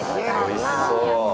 おいしそう！